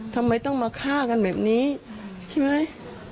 ทำไมต้องมาฆ่ากันแบบนี้ใช่ไหม